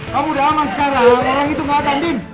kamu udah aman sekarang orang itu ngga ada andin